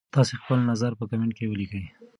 تاسي خپل نظر په کمنټ کي ولیکئ.